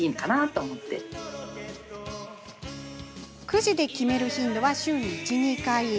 くじで決める頻度は週に１回か２回。